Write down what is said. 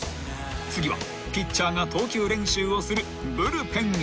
［次はピッチャーが投球練習をするブルペンへ］